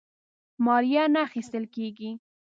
مالیه نه اخیستله کیږي.